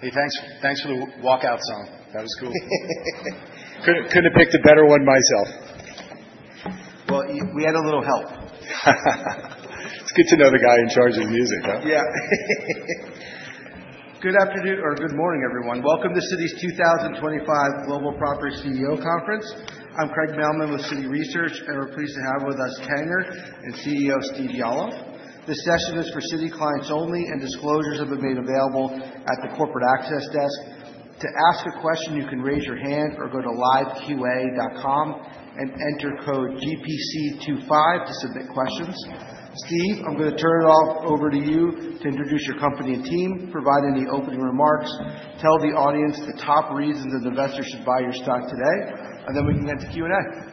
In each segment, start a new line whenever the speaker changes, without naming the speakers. Hey, thanks. Thanks for the walkout song. That was cool.
Couldn't have picked a better one myself.
We had a little help.
It's good to know the guy in charge of the music, huh?
Yeah. Good afternoon or good morning, everyone. Welcome to Citi's 2025 Global Property CEO Conference. I'm Craig Mailman with Citi Research, and we're pleased to have with us Tanger and CEO Stephen Yalof. This session is for Citi clients only, and disclosures have been made available at the corporate access desk. To ask a question, you can raise your hand or go to liveqa.com and enter code GPC25 to submit questions. Steve, I'm going to turn it over to you to introduce your company and team, provide any opening remarks, tell the audience the top reasons an investor should buy your stock today, and then we can get to Q&A.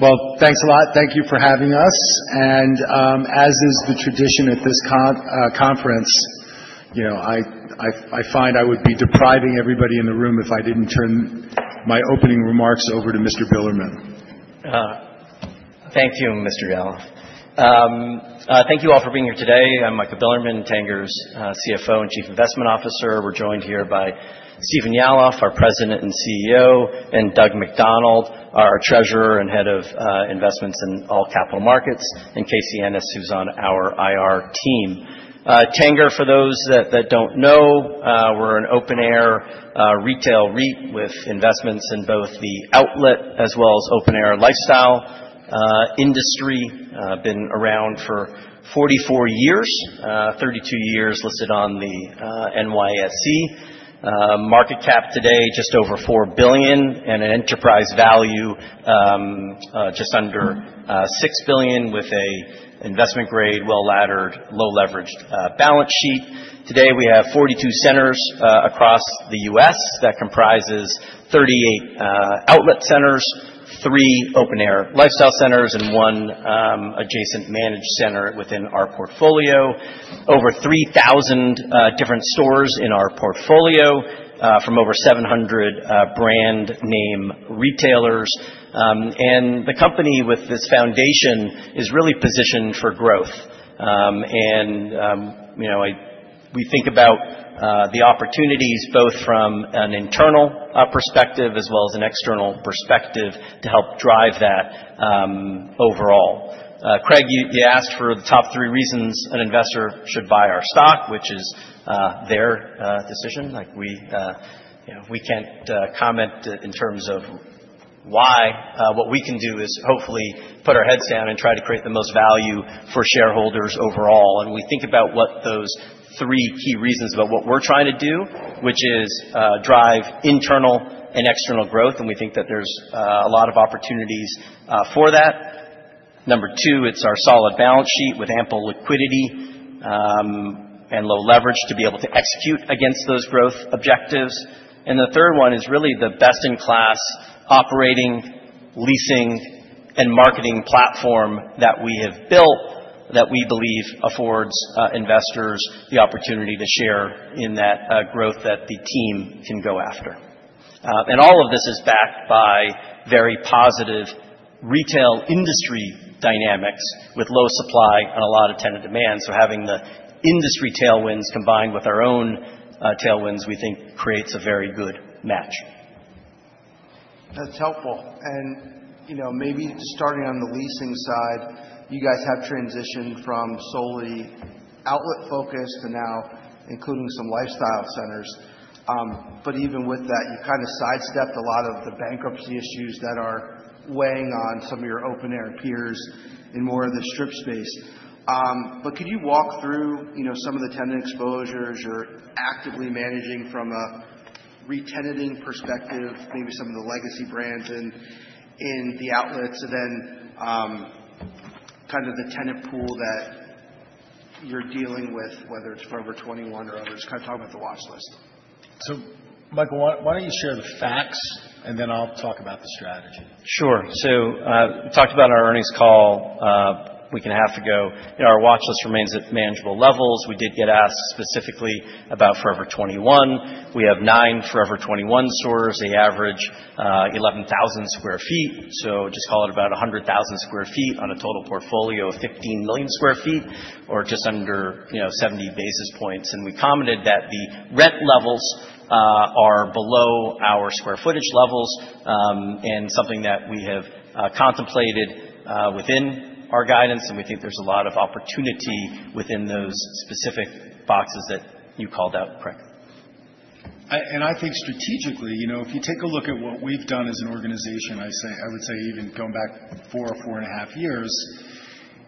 Well, thanks a lot. Thank you for having us. And as is the tradition at this conference, you know, I find I would be depriving everybody in the room if I didn't turn my opening remarks over to Mr. Bilerman.
Thank you, Mr. Yalof. Thank you all for being here today. I'm Michael Bilerman, Tanger's CFO and Chief Investment Officer. We're joined here by Stephen Yalof, our President and CEO, and Doug McDonald, our Treasurer and Head of Investments and Capital Markets, and Casey Ennis, who's on our IR team. Tanger, for those that don't know, we're an open-air retail REIT with investments in both the outlet as well as open-air lifestyle industry. Been around for 44 years, 32 years listed on the NYSE. Market cap today just over $4 billion and an enterprise value just under $6 billion with an investment-grade, well-laddered, low-leveraged balance sheet. Today, we have 42 centers across the U.S. that comprises 38 outlet centers, 3 open-air lifestyle centers, and 1 adjacent managed center within our portfolio, over 3,000 different stores in our portfolio from over 700 brand-name retailers. The company with this foundation is really positioned for growth. You know, we think about the opportunities both from an internal perspective as well as an external perspective to help drive that overall. Craig, you asked for the top three reasons an investor should buy our stock, which is their decision. Like, we can't comment in terms of why. What we can do is hopefully put our heads down and try to create the most value for shareholders overall. We think about what those three key reasons about what we're trying to do, which is drive internal and external growth, and we think that there's a lot of opportunities for that. Number two, it's our solid balance sheet with ample liquidity and low leverage to be able to execute against those growth objectives. And the third one is really the best-in-class operating, leasing, and marketing platform that we have built that we believe affords investors the opportunity to share in that growth that the team can go after. And all of this is backed by very positive retail industry dynamics with low supply and a lot of tenant demand. So having the industry tailwinds combined with our own tailwinds, we think, creates a very good match.
That's helpful. And, you know, maybe starting on the leasing side, you guys have transitioned from solely outlet-focused to now including some lifestyle centers. But even with that, you kind of sidestepped a lot of the bankruptcy issues that are weighing on some of your open-air peers in more of the strip space. But could you walk through, you know, some of the tenant exposures you're actively managing from a retenanting perspective, maybe some of the legacy brands in the outlets, and then kind of the tenant pool that you're dealing with, whether it's Forever 21 or others? Kind of talk about the watch list.
So, Michael, why don't you share the facts, and then I'll talk about the strategy?
Sure. So we talked about our earnings call a week and a half ago. You know, our watch list remains at manageable levels. We did get asked specifically about Forever 21. We have nine Forever 21 stores, an average 11,000 sq ft. So just call it about 100,000 sq ft on a total portfolio of 15 million sq ft or just under, you know, 70 basis points. And we commented that the rent levels are below our square footage levels and something that we have contemplated within our guidance. And we think there's a lot of opportunity within those specific boxes that you called out, Craig.
I think strategically, you know, if you take a look at what we've done as an organization, I would say even going back four or four and a half years,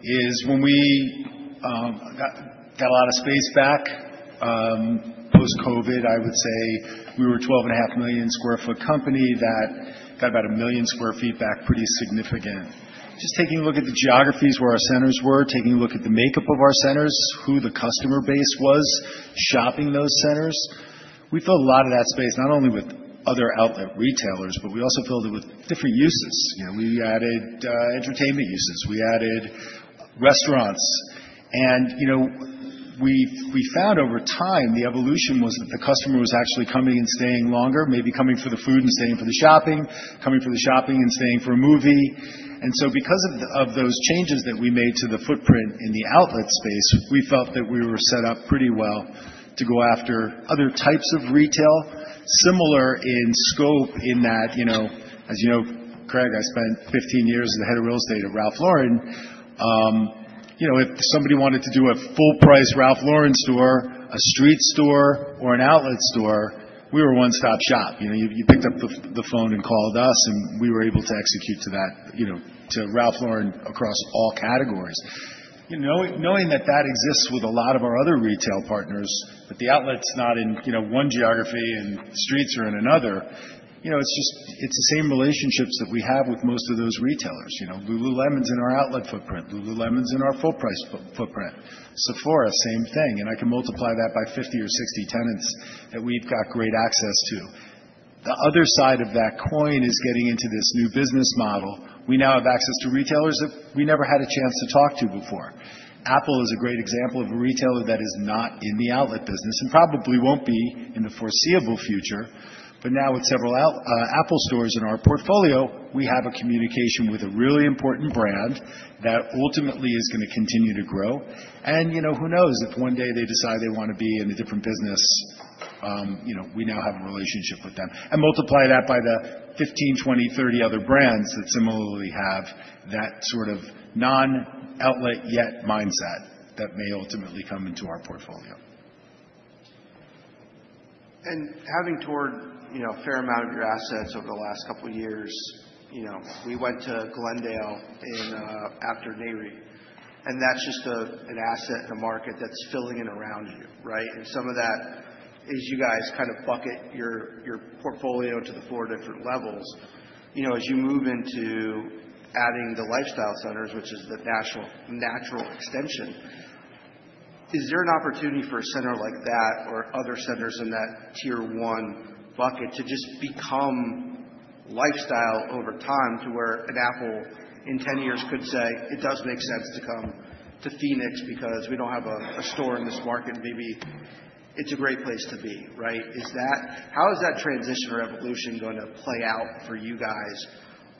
is when we got a lot of space back post-COVID. I would say we were a 12.5 million sq ft company that got about a million sq ft back pretty significant. Just taking a look at the geographies where our centers were, taking a look at the makeup of our centers, who the customer base was shopping those centers, we filled a lot of that space not only with other outlet retailers, but we also filled it with different uses. You know, we added entertainment uses. We added restaurants. You know, we found over time the evolution was that the customer was actually coming and staying longer, maybe coming for the food and staying for the shopping, coming for the shopping and staying for a movie, so because of those changes that we made to the footprint in the outlet space, we felt that we were set up pretty well to go after other types of retail, similar in scope in that, you know, as you know, Craig, I spent 15 years as the head of real estate at Ralph Lauren. You know, if somebody wanted to do a full-price Ralph Lauren store, a street store, or an outlet store, we were a one-stop shop. You know, you picked up the phone and called us, and we were able to execute to that, you know, to Ralph Lauren across all categories. You know, knowing that that exists with a lot of our other retail partners, but the outlet's not in, you know, one geography and streets are in another, you know, it's just, it's the same relationships that we have with most of those retailers. You know, Lululemon's in our outlet footprint. Lululemon's in our full-price footprint. Sephora, same thing. And I can multiply that by 50 or 60 tenants that we've got great access to. The other side of that coin is getting into this new business model. We now have access to retailers that we never had a chance to talk to before. Apple is a great example of a retailer that is not in the outlet business and probably won't be in the foreseeable future. But now with several Apple stores in our portfolio, we have a communication with a really important brand that ultimately is going to continue to grow. And, you know, who knows if one day they decide they want to be in a different business, you know, we now have a relationship with them. And multiply that by the 15, 20, 30 other brands that similarly have that sort of non-outlet yet mindset that may ultimately come into our portfolio.
Having toured, you know, a fair amount of your assets over the last couple of years, you know, we went to Glendale after Nareit. And that's just an asset in the market that's filling in around you, right? And some of that is you guys kind of bucket your portfolio into the four different levels. You know, as you move into adding the lifestyle centers, which is the natural extension, is there an opportunity for a center like that or other centers in that tier one bucket to just become lifestyle over time to where an Apple in 10 years could say, "It does make sense to come to Phoenix because we don't have a store in this market," and maybe it's a great place to be, right? Is that, how is that transition or evolution going to play out for you guys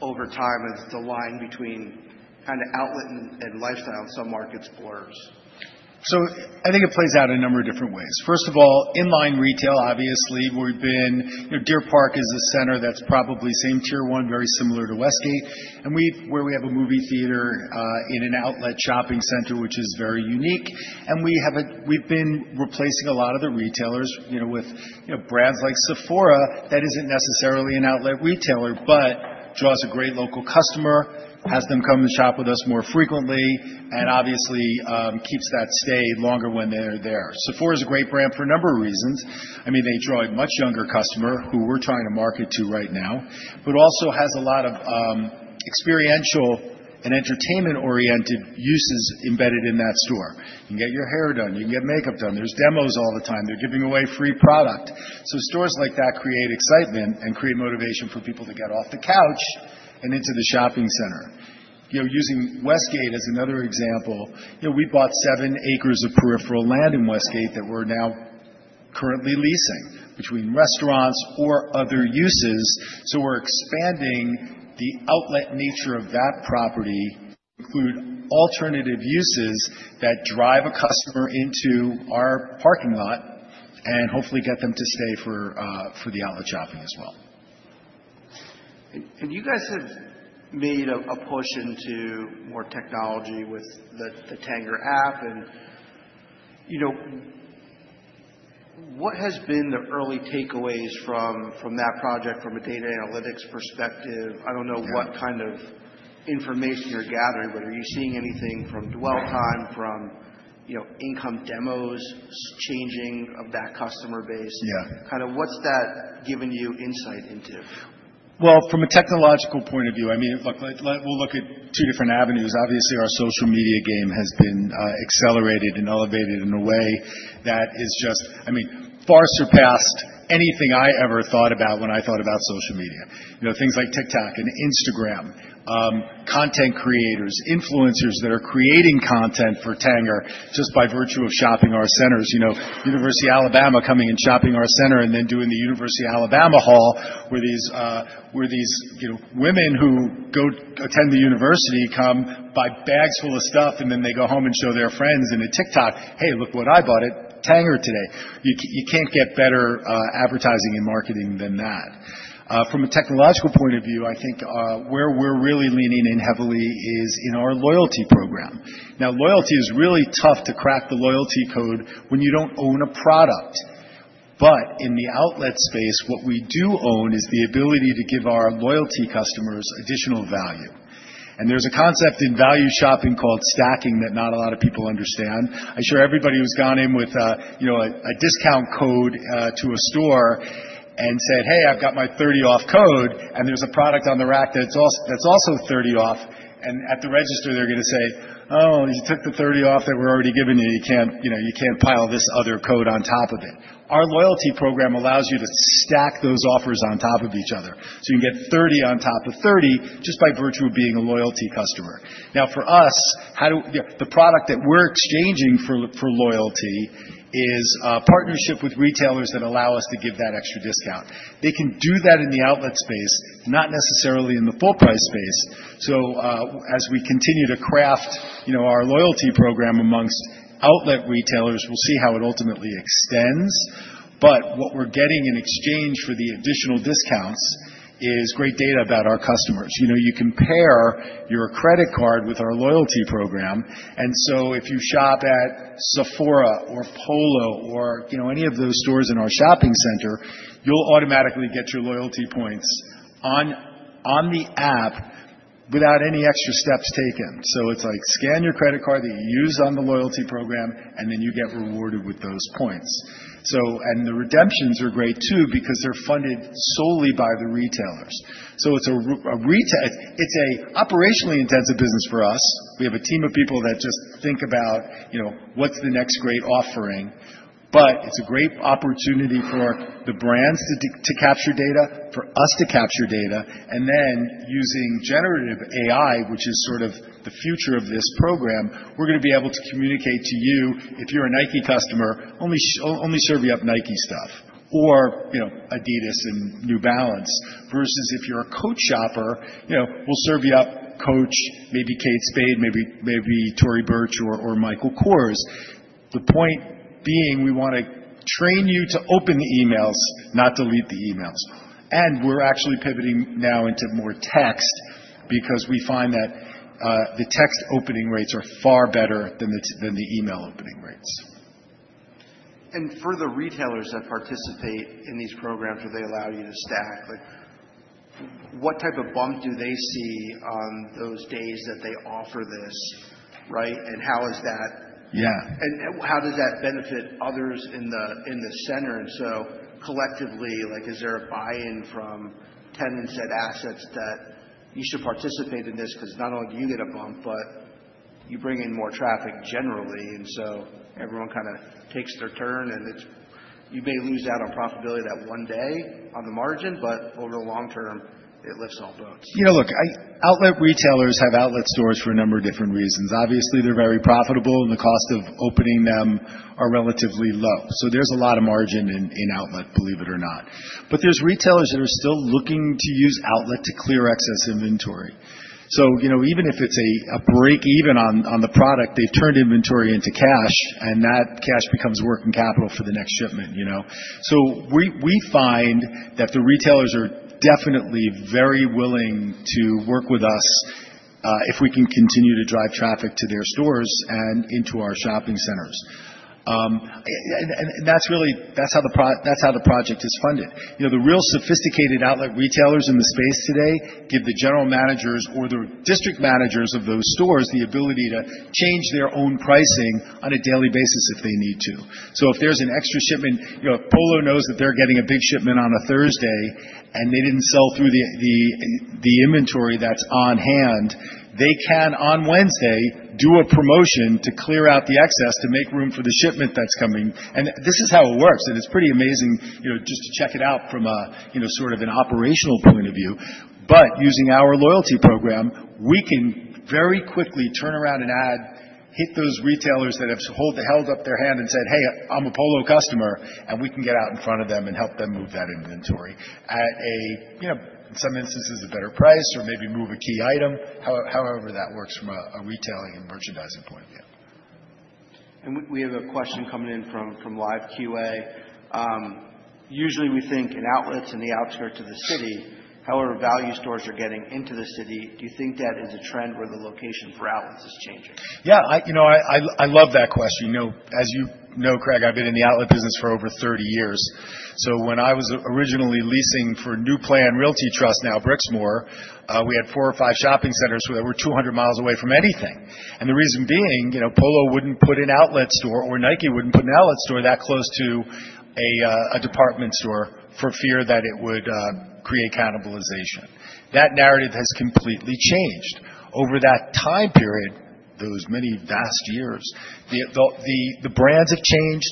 over time as the line between kind of outlet and lifestyle in some markets blurs?
So I think it plays out in a number of different ways. First of all, inline retail, obviously. We've been, you know, Deer Park is a center that's probably same tier one, very similar to Westgate, and we've where we have a movie theater in an outlet shopping center, which is very unique. And we have a, we've been replacing a lot of the retailers, you know, with, you know, brands like Sephora that isn't necessarily an outlet retailer, but draws a great local customer, has them come and shop with us more frequently, and obviously keeps that stay longer when they're there. Sephora is a great brand for a number of reasons. I mean, they draw a much younger customer who we're trying to market to right now, but also has a lot of experiential and entertainment-oriented uses embedded in that store. You can get your hair done. You can get makeup done. There's demos all the time. They're giving away free product. So stores like that create excitement and create motivation for people to get off the couch and into the shopping center. You know, using Westgate as another example, you know, we bought seven acres of peripheral land in Westgate that we're now currently leasing between restaurants or other uses. So we're expanding the outlet nature of that property to include alternative uses that drive a customer into our parking lot and hopefully get them to stay for the outlet shopping as well.
You guys have made a push into more technology with the Tanger App. You know, what has been the early takeaways from that project from a data analytics perspective? I don't know what kind of information you're gathering, but are you seeing anything from dwell time, from, you know, income demos, changing of that customer base?
Yeah.
Kind of what's that given you insight into?
From a technological point of view, I mean, look, we'll look at two different avenues. Obviously, our social media game has been accelerated and elevated in a way that is just, I mean, far surpassed anything I ever thought about when I thought about social media. You know, things like TikTok and Instagram, content creators, influencers that are creating content for Tanger just by virtue of shopping our centers. You know, University of Alabama coming and shopping our center and then doing the University of Alabama haul where these, you know, women who go attend the university come buy bags full of stuff, and then they go home and show their friends in a TikTok, "Hey, look what I bought at Tanger today." You can't get better advertising and marketing than that. From a technological point of view, I think where we're really leaning in heavily is in our loyalty program. Now, loyalty is really tough to crack the loyalty code when you don't own a product. But in the outlet space, what we do own is the ability to give our loyalty customers additional value. And there's a concept in value shopping called stacking that not a lot of people understand. I'm sure everybody who's gone in with, you know, a discount code to a store and said, "Hey, I've got my 30-off code," and there's a product on the rack that's also 30 off. And at the register, they're going to say, "Oh, you took the 30 off that we're already giving you. You can't, you know, you can't pile this other code on top of it." Our loyalty program allows you to stack those offers on top of each other. So you can get 30 on top of 30 just by virtue of being a loyalty customer. Now, for us, what the product that we're exchanging for loyalty is a partnership with retailers that allow us to give that extra discount. They can do that in the outlet space, not necessarily in the full-price space. So as we continue to craft, you know, our loyalty program amongst outlet retailers, we'll see how it ultimately extends. But what we're getting in exchange for the additional discounts is great data about our customers. You know, you compare your credit card with our loyalty program. And so if you shop at Sephora or Polo or, you know, any of those stores in our shopping center, you'll automatically get your loyalty points on the app without any extra steps taken. So it's like scan your credit card that you use on the loyalty program, and then you get rewarded with those points. So, and the redemptions are great too because they're funded solely by the retailers. So it's a retail, it's an operationally intensive business for us. We have a team of people that just think about, you know, what's the next great offering. But it's a great opportunity for the brands to capture data, for us to capture data. And then using generative AI, which is sort of the future of this program, we're going to be able to communicate to you, if you're a Nike customer, only serve you up Nike stuff or, you know, Adidas and New Balance versus if you're a Coach shopper, you know, we'll serve you up Coach, maybe Kate Spade, maybe Tory Burch or Michael Kors. The point being, we want to train you to open the emails, not delete the emails. And we're actually pivoting now into more text because we find that the text opening rates are far better than the email opening rates.
And for the retailers that participate in these programs, are they allow you to stack? Like, what type of bump do they see on those days that they offer this, right? And how is that?
Yeah.
And how does that benefit others in the center? And so collectively, like, is there a buy-in from tenants at assets that you should participate in this because not only do you get a bump, but you bring in more traffic generally. And so everyone kind of takes their turn and it's, you may lose out on profitability that one day on the margin, but over the long term, it lifts all boats.
You know, look, outlet retailers have outlet stores for a number of different reasons. Obviously, they're very profitable and the cost of opening them are relatively low. So there's a lot of margin in outlet, believe it or not. But there's retailers that are still looking to use outlet to clear excess inventory. So, you know, even if it's a break even on the product, they've turned inventory into cash and that cash becomes working capital for the next shipment, you know. So we find that the retailers are definitely very willing to work with us if we can continue to drive traffic to their stores and into our shopping centers. And that's really, that's how the project is funded. You know, the real sophisticated outlet retailers in the space today give the general managers or the district managers of those stores the ability to change their own pricing on a daily basis if they need to. So if there's an extra shipment, you know, Polo knows that they're getting a big shipment on a Thursday and they didn't sell through the inventory that's on hand, they can on Wednesday do a promotion to clear out the excess to make room for the shipment that's coming. And this is how it works. And it's pretty amazing, you know, just to check it out from a, you know, sort of an operational point of view. But using our loyalty program, we can very quickly turn around and add, hit those retailers that have held up their hand and said, "Hey, I'm a Polo customer," and we can get out in front of them and help them move that inventory at a, you know, in some instances a better price or maybe move a key item, however that works from a retailing and merchandising point of view.
We have a question coming in from LiveQA. Usually we think in outlets and the outskirts of the city, however value stores are getting into the city, do you think that is a trend where the location for outlets is changing?
Yeah, I, you know, I love that question. You know, as you know, Craig, I've been in the outlet business for over 30 years. So when I was originally leasing for New Plan Realty Trust, now Brixmor, we had four or five shopping centers where they were 200 miles away from anything. And the reason being, you know, Polo wouldn't put in outlet store or Nike wouldn't put an outlet store that close to a department store for fear that it would create cannibalization. That narrative has completely changed. Over that time period, those many vast years, the brands have changed.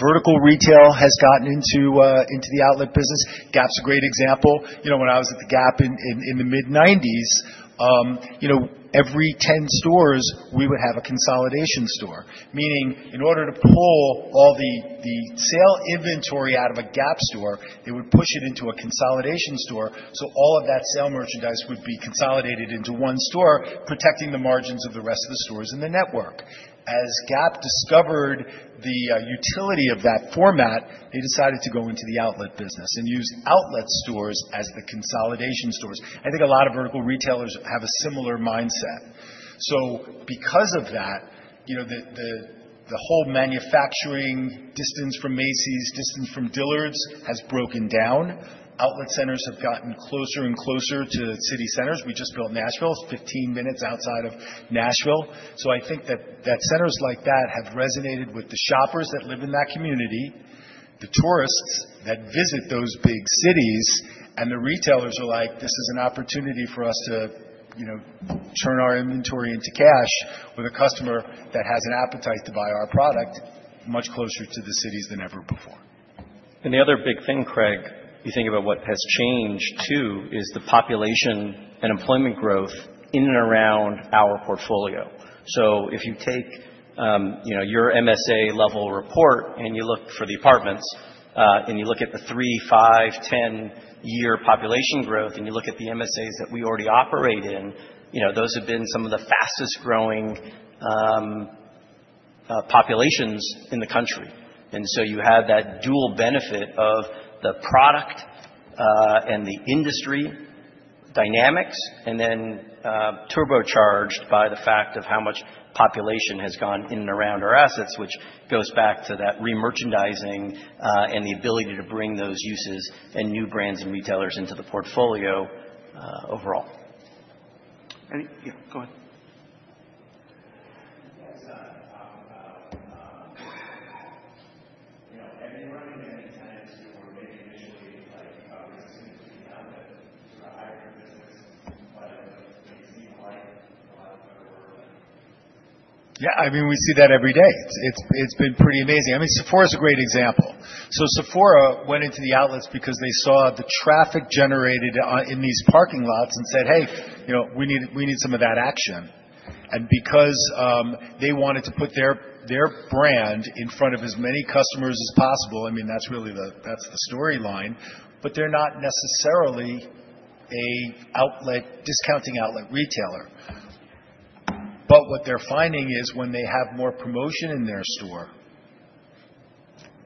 Vertical retail has gotten into the outlet business. Gap's a great example. You know, when I was at the Gap in the mid-1990s, you know, every 10 stores, we would have a consolidation store. Meaning, in order to pull all the sale inventory out of a Gap store, they would push it into a consolidation store so all of that sale merchandise would be consolidated into one store, protecting the margins of the rest of the stores in the network. As Gap discovered the utility of that format, they decided to go into the outlet business and use outlet stores as the consolidation stores. I think a lot of vertical retailers have a similar mindset. So because of that, you know, the whole manufacturing distance from Macy's, distance from Dillard's has broken down. Outlet centers have gotten closer and closer to city centers. We just built Nashville. It's 15 minutes outside of Nashville. So I think that centers like that have resonated with the shoppers that live in that community, the tourists that visit those big cities, and the retailers are like, "This is an opportunity for us to, you know, turn our inventory into cash with a customer that has an appetite to buy our product much closer to the cities than ever before.
The other big thing, Craig, you think about what has changed too is the population and employment growth in and around our portfolio. So if you take, you know, your MSA level report and you look for the apartments and you look at the three, five, ten-year population growth and you look at the MSAs that we already operate in, you know, those have been some of the fastest growing populations in the country. And so you have that dual benefit of the product and the industry dynamics and then turbocharged by the fact of how much population has gone in and around our assets, which goes back to that re-merchandising and the ability to bring those uses and new brands and retailers into the portfolio overall.
And yeah, go ahead. You guys talked about, you know, many tenants who were maybe initially like resistant to the outlet sort of higher-end business, but it seemed like a lot of them were.
Yeah, I mean, we see that every day. It's been pretty amazing. I mean, Sephora's a great example. So Sephora went into the outlets because they saw the traffic generated in these parking lots and said, "Hey, you know, we need some of that action." And because they wanted to put their brand in front of as many customers as possible, I mean, that's really the storyline. But they're not necessarily an outlet discounting outlet retailer. But what they're finding is when they have more promotion in their store,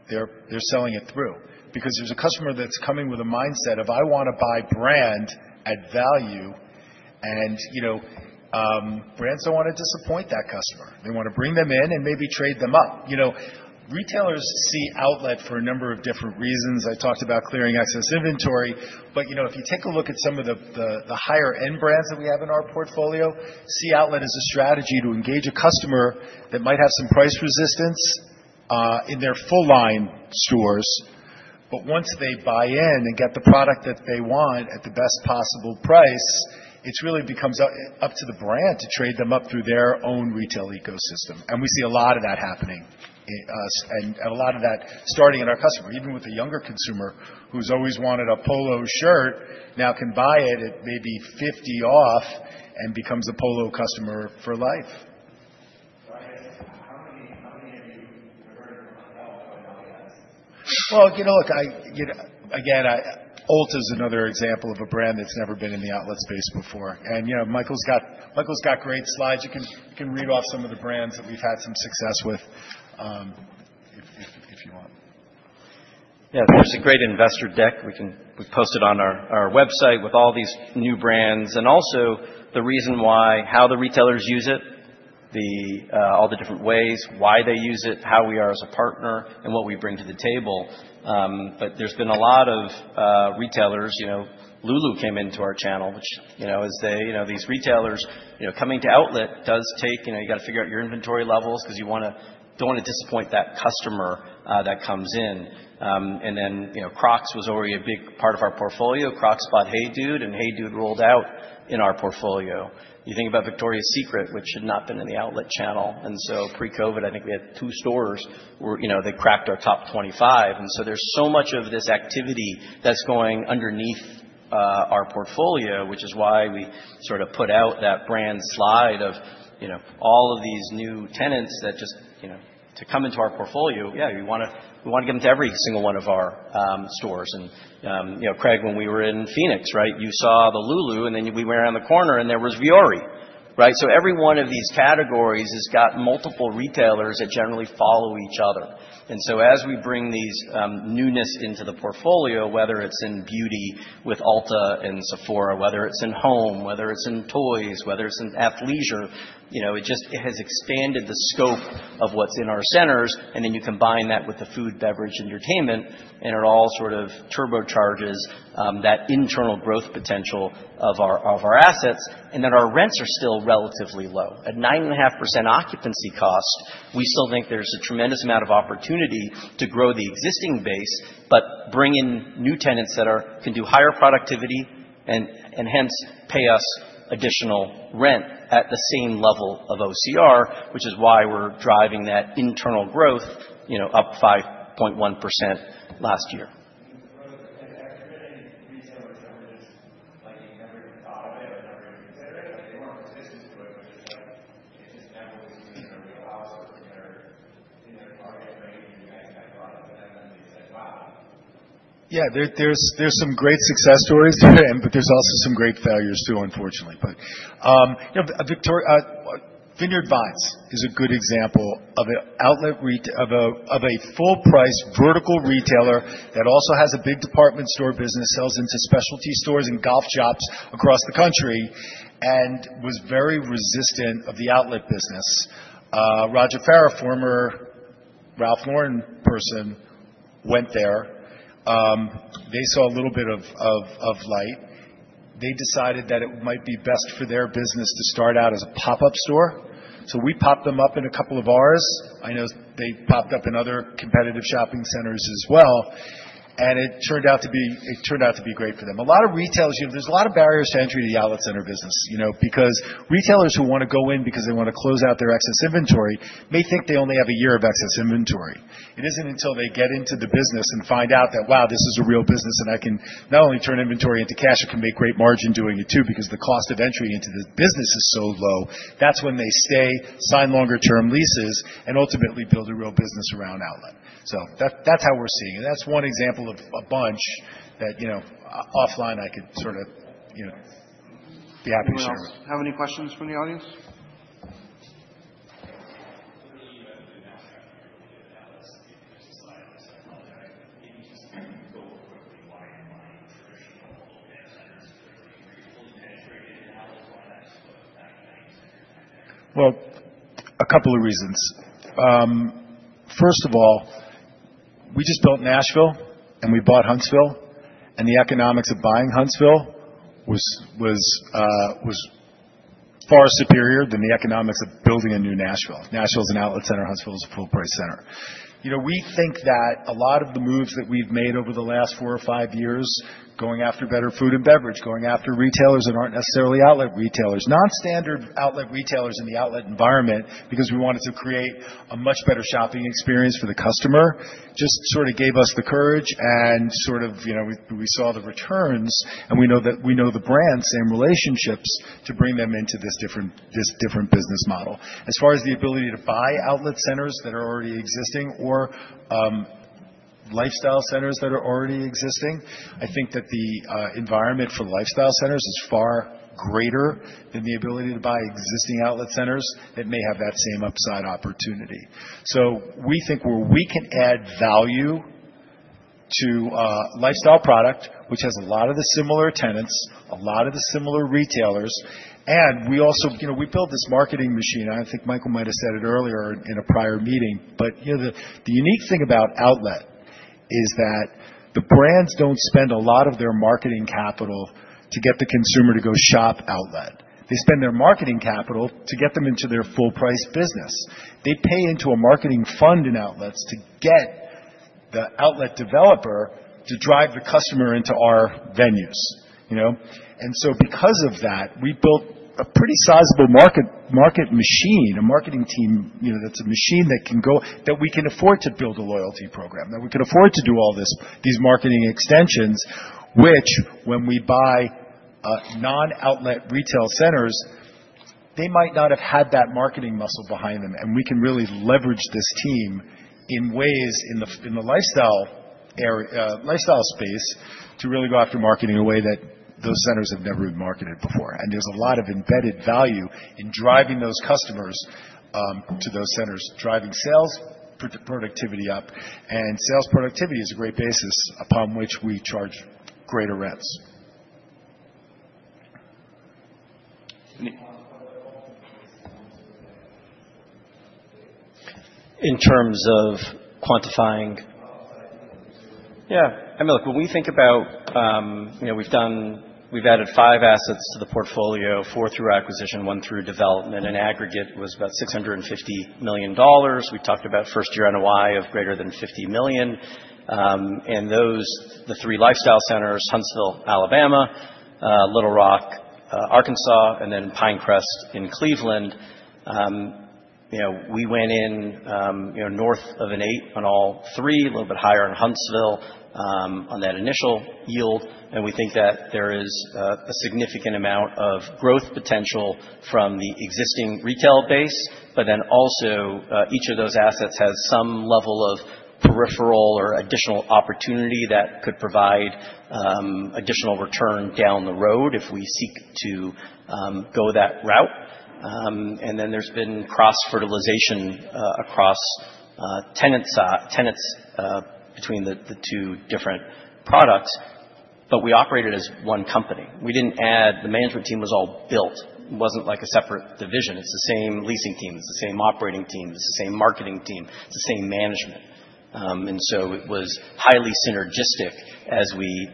they're selling it through. Because there's a customer that's coming with a mindset of, "I want to buy brand at value," and, you know, brands don't want to disappoint that customer. They want to bring them in and maybe trade them up. You know, retailers see outlet for a number of different reasons. I talked about clearing excess inventory. But, you know, if you take a look at some of the higher-end brands that we have in our portfolio, see outlet as a strategy to engage a customer that might have some price resistance in their full-line stores. But once they buy in and get the product that they want at the best possible price, it really becomes up to the brand to trade them up through their own retail ecosystem. And we see a lot of that happening and a lot of that starting in our customer. Even with a younger consumer who's always wanted a Polo shirt, now can buy it at maybe 50% off and becomes a Polo customer for life. Brian, how many have you heard from a fellow from LES? You know, look, again, Ulta is another example of a brand that's never been in the outlet space before. And, you know, Michael's got great slides. You can read off some of the brands that we've had some success with if you want.
Yeah, there's a great investor deck. We post it on our website with all these new brands, and also the reason why, how the retailers use it, all the different ways, why they use it, how we are as a partner and what we bring to the table, but there's been a lot of retailers, you know, Lulu came into our channel, which, you know, as they, you know, these retailers, you know, coming to outlet does take, you know, you got to figure out your inventory levels because you don't want to disappoint that customer that comes in. And then, you know, Crocs was already a big part of our portfolio. Crocs bought Hey Dude, and Hey Dude rolled out in our portfolio. You think about Victoria's Secret, which had not been in the outlet channel. And so pre-COVID, I think we had two stores where, you know, they cracked our top 25. And so there's so much of this activity that's going underneath our portfolio, which is why we sort of put out that brand slide of, you know, all of these new tenants that just, you know, to come into our portfolio. Yeah, we want to get them to every single one of our stores. And, you know, Craig, when we were in Phoenix, right, you saw the Lulu and then we went around the corner and there was Vuori, right? So every one of these categories has got multiple retailers that generally follow each other. And so as we bring these newness into the portfolio, whether it's in beauty with Ulta and Sephora, whether it's in home, whether it's in toys, whether it's in athleisure, you know, it just has expanded the scope of what's in our centers. And then you combine that with the food, beverage, entertainment, and it all sort of turbocharges that internal growth potential of our assets. And then our rents are still relatively low. At 9.5% occupancy cost, we still think there's a tremendous amount of opportunity to grow the existing base, but bring in new tenants that can do higher productivity and hence pay us additional rent at the same level of OCR, which is why we're driving that internal growth, you know, up 5.1% last year. Has there been any retailers that were just like, you never even thought of it or never even considered it? Like, they weren't resistant to it, but just like, it just never was used in their wheelhouse or in their target range and you guys kept running to them and they said, "Wow.
Yeah, there's some great success stories there, but there's also some great failures too, unfortunately, but you know, Vineyard Vines is a good example of an outlet of a full-price vertical retailer that also has a big department store business, sells into specialty stores and golf shops across the country, and was very resistant of the outlet business. Roger Farah, former Ralph Lauren person, went there. They saw a little bit of light. They decided that it might be best for their business to start out as a pop-up store, so we popped them up in a couple of ours. I know they popped up in other competitive shopping centers as well, and it turned out to be great for them. A lot of retailers, you know, there's a lot of barriers to entry to the outlet center business, you know, because retailers who want to go in because they want to close out their excess inventory may think they only have a year of excess inventory. It isn't until they get into the business and find out that, "Wow, this is a real business and I can not only turn inventory into cash, I can make great margin doing it too," because the cost of entry into the business is so low. That's when they stay, sign longer-term leases, and ultimately build a real business around outlet. So that's how we're seeing it. That's one example of a bunch that, you know, offline I could sort of, you know, be happy to share.
Have any questions from the audience? So really, you guys have been out there with the outlets. I mean, there's a slide on this. I apologize. Can you just go over quickly why traditional mall centers are really fully penetrated in outlets? Why that's what 90% of your tenants there?
A couple of reasons. First of all, we just built Nashville and we bought Huntsville. The economics of buying Huntsville was far superior than the economics of building a new Nashville. Nashville is an outlet center. Huntsville is a full-price center. You know, we think that a lot of the moves that we've made over the last four or five years going after better food and beverage, going after retailers that aren't necessarily outlet retailers, non-standard outlet retailers in the outlet environment because we wanted to create a much better shopping experience for the customer just sort of gave us the courage and sort of, you know, we saw the returns and we know the brand, same relationships to bring them into this different business model. As far as the ability to buy outlet centers that are already existing or lifestyle centers that are already existing, I think that the environment for lifestyle centers is far greater than the ability to buy existing outlet centers that may have that same upside opportunity. We think where we can add value to lifestyle product, which has a lot of the similar tenants, a lot of the similar retailers, and we also, you know, we built this marketing machine. I think Michael might have said it earlier in a prior meeting, but, you know, the unique thing about outlet is that the brands don't spend a lot of their marketing capital to get the consumer to go shop outlet. They spend their marketing capital to get them into their full-price business. They pay into a marketing fund in outlets to get the outlet developer to drive the customer into our venues, you know? And so because of that, we built a pretty sizable marketing machine, a marketing team, you know, that's a machine that can go that we can afford to build a loyalty program, that we can afford to do all these marketing extensions, which when we buy non-outlet retail centers, they might not have had that marketing muscle behind them. And we can really leverage this team in ways in the lifestyle space to really go after marketing in a way that those centers have never been marketed before. And there's a lot of embedded value in driving those customers to those centers, driving sales productivity up. And sales productivity is a great basis upon which we charge greater rents. Any? In terms of quantifying?
Yeah. I mean, look, when we think about, you know, we've added five assets to the portfolio, four through acquisition, one through development. In aggregate, it was about $650 million. We talked about first-year NOI of greater than $50 million. And those, the three lifestyle centers, Huntsville, Alabama, Little Rock, Arkansas, and then Pinecrest in Cleveland, you know, we went in, you know, north of an eight on all three, a little bit higher on Huntsville on that initial yield. And we think that there is a significant amount of growth potential from the existing retail base, but then also each of those assets has some level of peripheral or additional opportunity that could provide additional return down the road if we seek to go that route. And then there's been cross-fertilization across tenants between the two different products. But we operated as one company. We didn't add. The management team was all built. It wasn't like a separate division. It's the same leasing team. It's the same operating team. It's the same marketing team. It's the same management, and so it was highly synergistic as we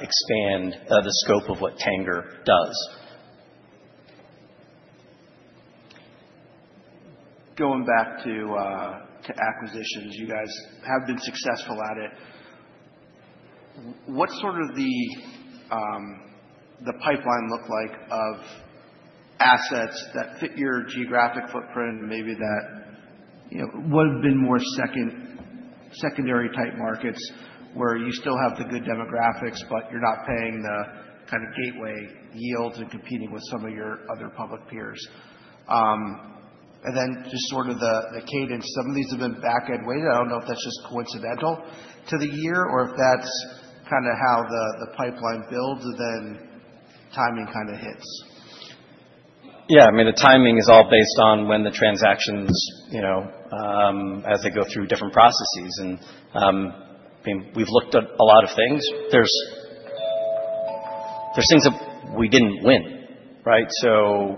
expand the scope of what Tanger does. Going back to acquisitions, you guys have been successful at it. What sort of the pipeline looked like of assets that fit your geographic footprint, maybe that, you know, would have been more secondary type markets where you still have the good demographics, but you're not paying the kind of gateway yields and competing with some of your other public peers. And then just sort of the cadence, some of these have been back-end weighted. I don't know if that's just coincidental to the year or if that's kind of how the pipeline builds and then timing kind of hits.
Yeah. I mean, the timing is all based on when the transactions, you know, as they go through different processes. And I mean, we've looked at a lot of things. There's things that we didn't win, right? So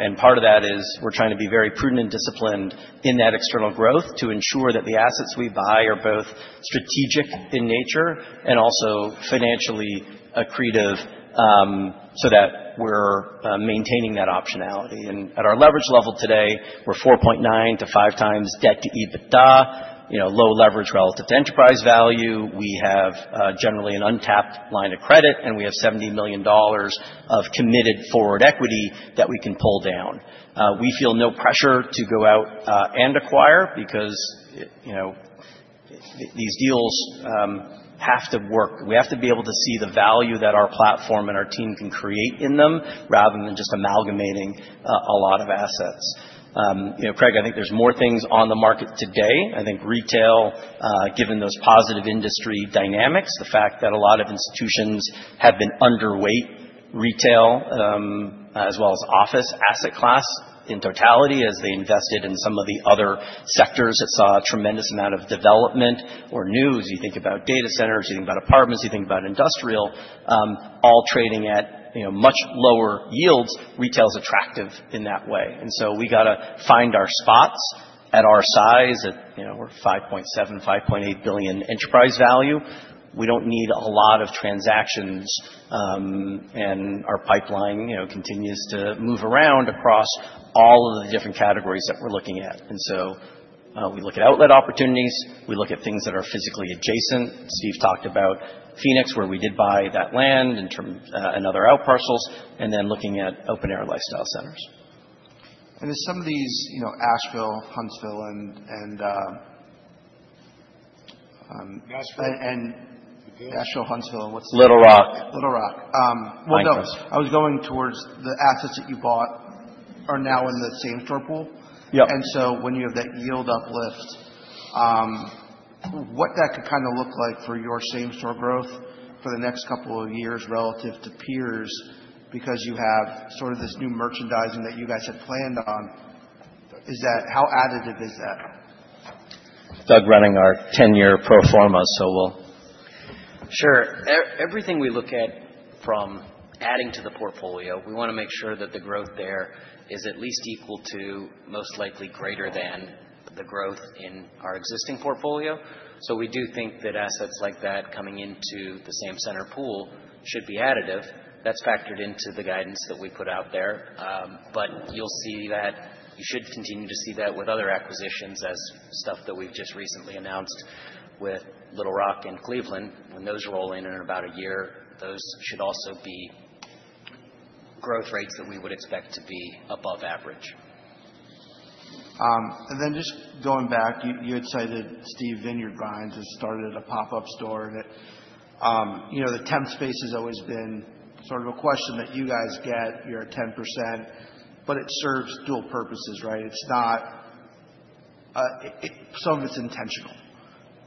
and part of that is we're trying to be very prudent and disciplined in that external growth to ensure that the assets we buy are both strategic in nature and also financially accretive so that we're maintaining that optionality. And at our leverage level today, we're 4.9-5 times debt to EBITDA, you know, low leverage relative to enterprise value. We have generally an untapped line of credit, and we have $70 million of committed forward equity that we can pull down. We feel no pressure to go out and acquire because, you know, these deals have to work. We have to be able to see the value that our platform and our team can create in them rather than just amalgamating a lot of assets. You know, Craig, I think there's more things on the market today. I think retail, given those positive industry dynamics, the fact that a lot of institutions have been underweight retail as well as office asset class in totality as they invested in some of the other sectors that saw a tremendous amount of development or news. You think about data centers. You think about apartments. You think about industrial. All trading at, you know, much lower yields. Retail's attractive in that way. And so we got to find our spots at our size at, you know, we're $5.7-$5.8 billion enterprise value. We don't need a lot of transactions. Our pipeline, you know, continues to move around across all of the different categories that we're looking at. So we look at outlet opportunities. We look at things that are physically adjacent. Steve talked about Phoenix where we did buy that land and another outparcels. Then looking at open-air lifestyle centers.
And then some of these, you know, Asheville, Huntsville, and. Asheville? And Asheville, Huntsville, and what's the. Little Rock. Little Rock. Well, no, I was going towards the assets that you bought are now in the same store pool. Yeah. And so, when you have that yield uplift, what that could kind of look like for your same store growth for the next couple of years relative to peers, because you have sort of this new merchandising that you guys had planned on, is that how additive is that?
Running our 10-year pro forma, so we'll. Sure. Everything we look at from adding to the portfolio, we want to make sure that the growth there is at least equal to, most likely greater than the growth in our existing portfolio. So we do think that assets like that coming into the same-store pool should be additive. That's factored into the guidance that we put out there. But you'll see that you should continue to see that with other acquisitions as stuff that we've just recently announced with Little Rock and Cleveland. When those roll in in about a year, those should also be growth rates that we would expect to be above average.
Then just going back, you had cited, Steve, Vineyard Vines and started a pop-up store that, you know, the temp space has always been sort of a question that you guys get. You're at 10%, but it serves dual purposes, right? It's not, some of it's intentional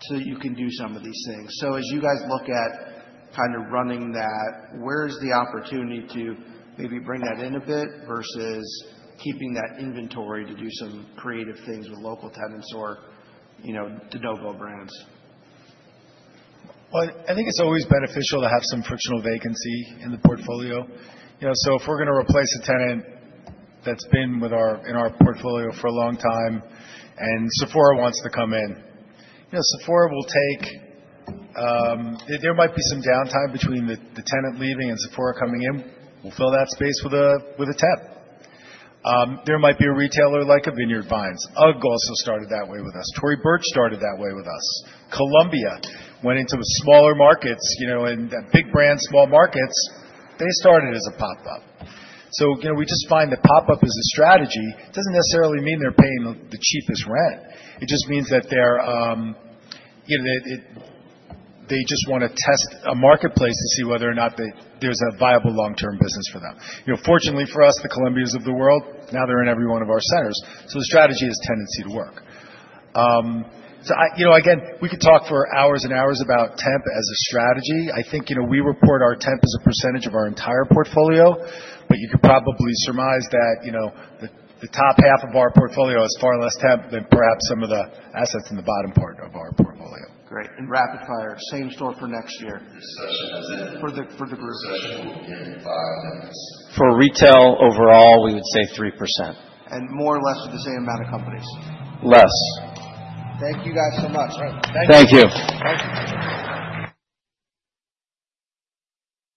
so that you can do some of these things. So as you guys look at kind of running that, where's the opportunity to maybe bring that in a bit versus keeping that inventory to do some creative things with local tenants or, you know, de novo brands?
I think it's always beneficial to have some frictional vacancy in the portfolio. You know, so if we're going to replace a tenant that's been with us in our portfolio for a long time and Sephora wants to come in, you know, Sephora will take. There might be some downtime between the tenant leaving and Sephora coming in. We'll fill that space with a temp. There might be a retailer like a Vineyard Vines. Ugg also started that way with us. Tory Burch started that way with us. Columbia went into smaller markets, you know, and big brands, small markets, they started as a pop-up. So, you know, we just find that pop-up is a strategy. It doesn't necessarily mean they're paying the cheapest rent. It just means that they're, you know, they just want to test a marketplace to see whether or not there's a viable long-term business for them. You know, fortunately for us, the Columbias of the world, now they're in every one of our centers. So the strategy has tendency to work. So, you know, again, we could talk for hours and hours about temp as a strategy. I think, you know, we report our temp as a percentage of our entire portfolio, but you could probably surmise that, you know, the top half of our portfolio has far less temp than perhaps some of the assets in the bottom part of our portfolio.
Great, and rapid fire, same store for next year. This session has ended. For the group. This session will end in five minutes.
For retail overall, we would say 3%.
More or less with the same amount of companies.
Less.
Thank you guys so much. Thank you. Thank you.